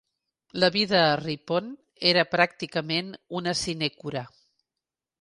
La vida a Ripon era pràcticament una sinecura.